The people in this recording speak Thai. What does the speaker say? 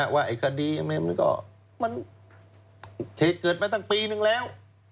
ว่าไอ้คดีมันเกิดมาตั้งปีหนึ่งแล้ว